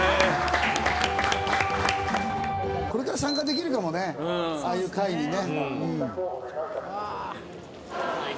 これから参加できるかもねああいう会にね。